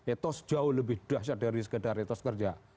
etos jauh lebih dahsyat dari sekedar etos kerja